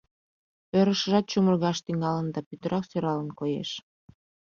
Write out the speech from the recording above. Ӧрышыжат чумыргаш тӱҥалын да путырак сӧралын коеш.